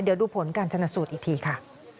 เดี๋ยวดูผลการชนสูตรอีกทีค่ะ